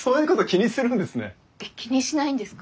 気にしないんですか？